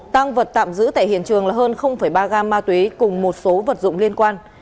tăng vật tạm giữ tại hiện trường là hơn ba gam ma túy cùng một số vật dụng liên quan